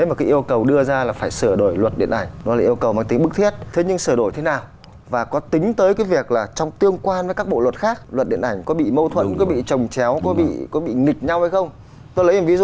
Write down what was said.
mà chúng ta vừa biết